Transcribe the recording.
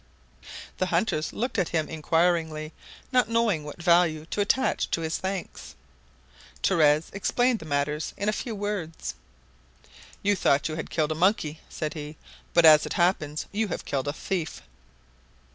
The hunters looked at him inquiringly, not knowing what value to attach to his thanks. Torres explained matters in a few words. "You thought you had killed a monkey," said he, "but as it happens you have killed a thief!"